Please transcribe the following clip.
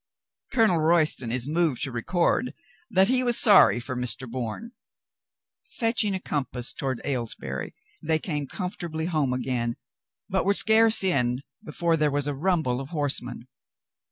Colonel Royston is moved to record that he was sorry for Mr. Bourne. Fetching a compass toward Aylesbury, they came comfortably home again, but were scarce in before 50 COLONEL GREATHEART there was a rumble of horsemen.